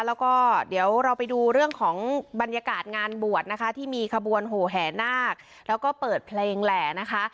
แล้วก็เดี๋ยวเราไปดูเรื่องของบรรยากาศงานบวชนะคะที่มีขบวนโหแห่นาคแล้วก็เปิดเพลงแหล่นะคะ